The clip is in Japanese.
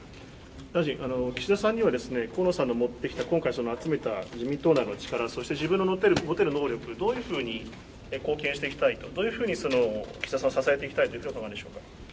岸田さんには河野さんの持ってきた、今回集めた自民党内の力そして自分の持ってる能力どのように貢献していきたいとどういうふうに岸田さんを支えていきたいと？